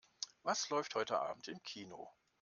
Was läuft heute Abend im Kino?